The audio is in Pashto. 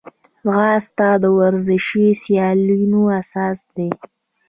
ځغاسته د ورزشي سیالیو اساس ده